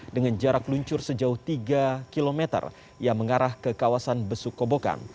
dengan jarak luncur sejauh tiga km yang mengarah ke kawasan besukobokan